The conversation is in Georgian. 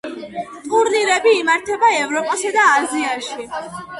ტურნირები იმართება ევროპასა და აზიაში.